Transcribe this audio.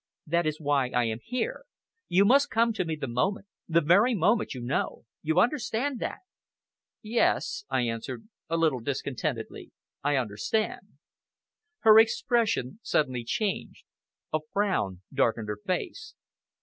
That is why I am here. You must come to me the moment the very moment you know! You understand that?" "Yes!" I answered, a little discontentedly, "I understand!" Her expression suddenly changed. A frown darkened her face.